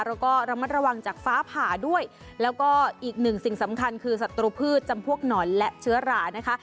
แล้วก็ระมัดระวังจากฟ้าผ่าด้วยแล้วก็อีกหนึ่งสิ่งสำคัญคือศัตรูพืชจำพวกหนอนและเชื้อรานะคะ